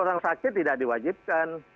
orang sakit tidak diwajibkan